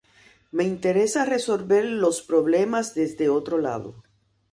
Me interesa resolver los problemas desde otro lado.